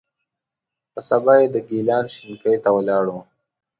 په سبا یې د ګیلان شینکۍ ته ولاړو.